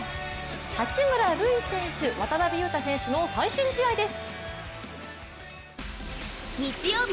八村塁選手、渡邊雄太選手の最新試合です。